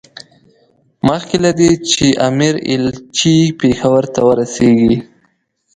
مخکې له دې چې د امیر ایلچي پېښور ته ورسېږي.